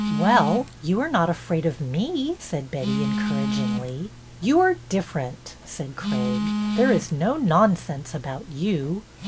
Well, you are not afraid of me," said Betty, encouragingly. '' You are different," said Craig. '' There is no nonsense about you."